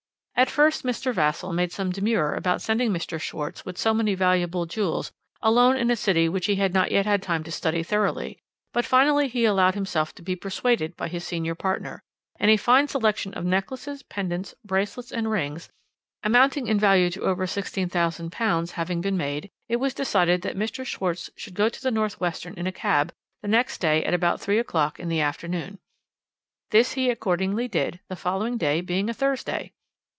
"At first Mr. Vassall made some demur about sending Mr. Schwarz with so many valuable jewels alone in a city which he had not yet had the time to study thoroughly; but finally he allowed himself to be persuaded by his senior partner, and a fine selection of necklaces, pendants, bracelets, and rings, amounting in value to over £16,000, having been made, it was decided that Mr. Schwarz should go to the North Western in a cab the next day at about three o'clock in the afternoon. This he accordingly did, the following day being a Thursday.